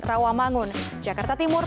rawamangun jakarta timur